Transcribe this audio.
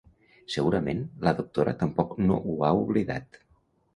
Segurament, la doctora tampoc no ho ha oblidat.